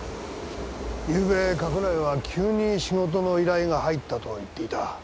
ゆうべ加倉井は急に仕事の依頼が入ったと言っていた。